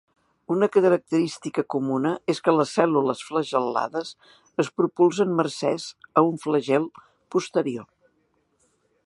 Una característica comuna és que les cèl·lules flagel·lades es propulsen mercès a un flagel posterior.